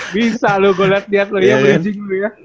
bisa lu gue liat liat lu ya beli beli dulu ya